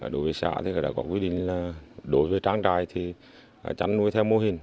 đối với xã thì đã có quy định là đối với trang trài thì tránh nuôi theo mô hình